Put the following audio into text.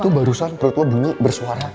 itu barusan perut lo bunyi bersuara